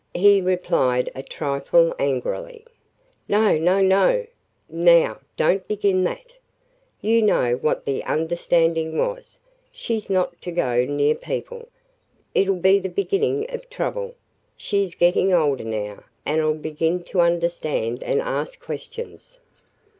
He replied, a trifle angrily: "No, no, no! Now don't begin that! You know what the understanding was. She 's not to go near people. It 'll be the beginning of trouble. She 's getting older now and 'll begin to understand and ask questions.